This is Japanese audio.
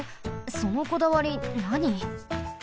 そのこだわりなに？